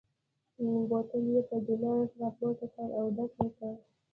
بوتل یې پر ګیلاس را پورته کړ او ډک یې کړ.